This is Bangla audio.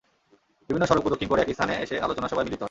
বিভিন্ন সড়ক প্রদক্ষিণ করে একই স্থানে এসে আলোচনা সভায় মিলিত হয়।